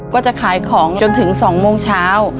ก็จะขายของจนถึง๒โมงเช้า